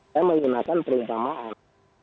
saya menggunakan perintah mahal